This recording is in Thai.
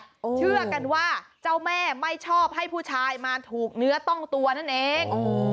เชื่อกันว่าเจ้าแม่ไม่ชอบให้ผู้ชายมาถูกเนื้อต้องตัวนั่นเอง